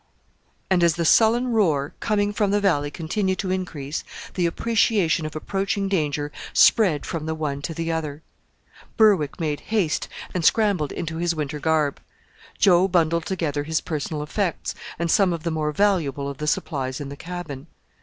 And as the sullen roar coming from the valley continued to increase, the appreciation of approaching danger spread from the one to the other. Berwick made haste and scrambled into his winter garb. Joe bundled together his personal effects, and some of the more valuable of the supplies in the cabin.